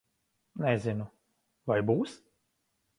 Nezinu. Vai būs?